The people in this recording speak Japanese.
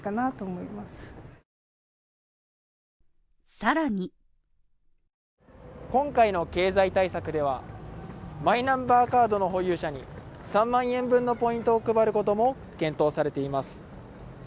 さらに今回の経済対策では、マイナンバーカードの保有者に３万円分のポイントを配ることも検討されています。